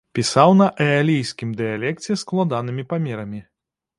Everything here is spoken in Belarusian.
Пісаў на эалійскім дыялекце, складанымі памерамі.